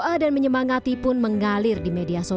kita memang punya faktor risiko